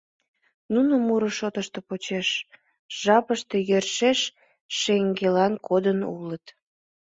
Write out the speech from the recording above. Нуно муро шотышто почеш жапыште йӧршеш шеҥгелан кодын улыт.